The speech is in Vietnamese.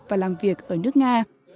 và làm việc ở nước nga